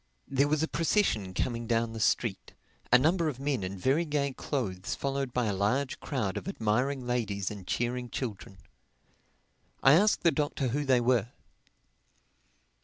There was a procession coming down the street, a number of men in very gay clothes followed by a large crowd of admiring ladies and cheering children. I asked the Doctor who they were.